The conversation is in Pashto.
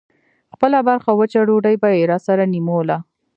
خپله برخه وچه ډوډۍ به يې راسره نيموله.